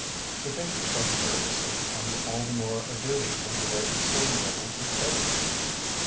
To take yourself seriously becomes all the more a duty when there is so little to take.